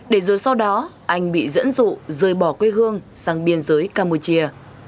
để rồi sau đó anh bị dẫn dụ rời bỏ quê hương sang biên giới campuchia